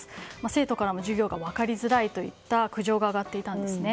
生徒からも授業が分かりづらいといった苦情が上がっていたんですね。